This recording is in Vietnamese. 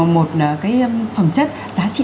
một cái phẩm chất giá trị